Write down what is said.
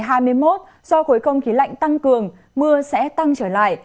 khi khối công khí lạnh tăng cường mưa sẽ tăng trở lại